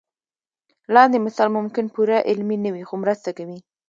لاندې مثال ممکن پوره علمي نه وي خو مرسته کوي.